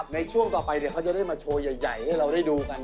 ในช่วงต่อไปเขาจะได้มาโชว์ใหญ่ให้เราได้ดูกัน